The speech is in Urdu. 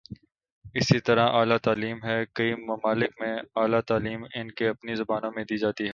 اسی طرح اعلی تعلیم ہے، کئی ممالک میںاعلی تعلیم ان کی اپنی زبانوں میں دی جاتی ہے۔